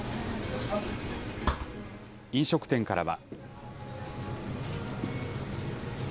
飲食店からは。